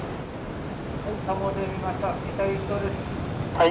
「はい」。